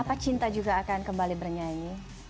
apa cinta juga akan kembali bernyanyi